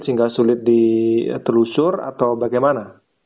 sehingga sulit ditelusur atau bagaimana